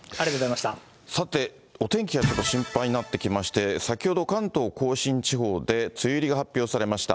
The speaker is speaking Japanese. さて、お天気がちょっと心配になってきまして、先ほど関東甲信地方で梅雨入りが発表されました。